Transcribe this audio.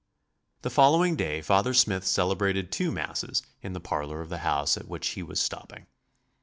The following day Father Smith celebrated two Masses in the parlor of the house at which he was stopping.